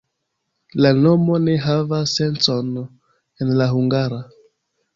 La nomo ne havas sencon en la hungara.